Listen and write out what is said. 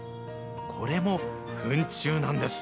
これもフン虫なんです。